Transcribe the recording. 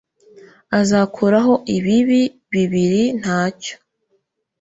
Azakuraho ibibi bibiri ntacyo